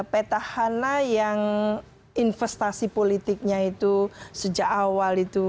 petahana yang investasi politiknya itu sejak awal itu